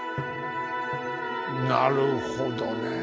なるほどね。